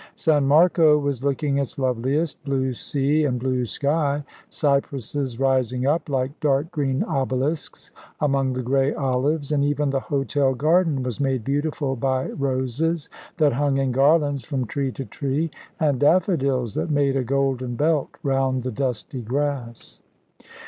San Marco was looking its loveliest, blue sea and blue sky, cypresses rising up, like dark green obelisks, among the grey olives, and even the hotel garden was made beautiful by roses that hung in garlands from tree to tree, and daffodils that made a golden belt round the dusty grass.